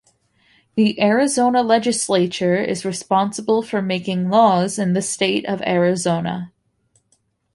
The Arizona Legislature is responsible for making laws in the state of Arizona.